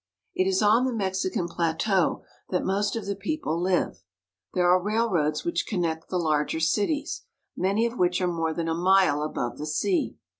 It is on the Mexican plateau that most of the people live. There are railroads which connect the larger cities, many of which are more than a mile above the sea.